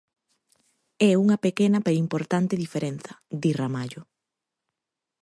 "É unha pequena pero importante diferenza", di Ramallo.